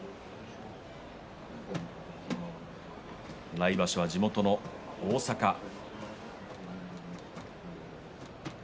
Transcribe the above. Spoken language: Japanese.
来場所は地元の大阪です。